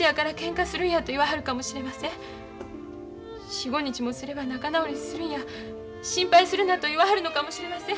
４５日もすれば仲直りするんや心配するなと言わはるのかもしれません。